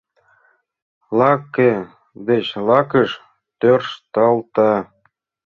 Лаке деч лакыш тӧршталта.